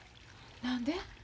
何で？